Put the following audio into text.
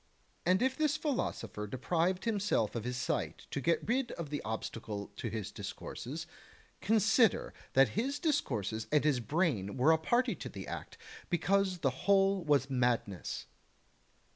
And if this philosopher deprived himself of his sight to get rid of the obstacle to his discourses, consider that his discourses and his brain were a party to the act, because the whole was madness.